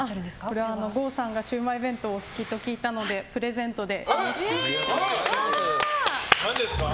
これは郷さんがシウマイ弁当お好きと聞いたので何ですか？